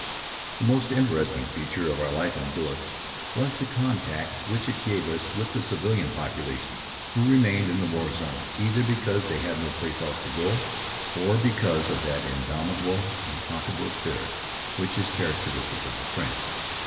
The most interesting feature of our life in billets was the contact which it gave us with the civilian population who remained in the war zone, either because they had no place else to go, or because of that indomitable, unconquerable spirit which is characteristic of the French.